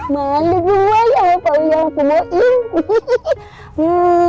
malu bu waya sama pak rija sama bu im